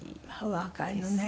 若いわね。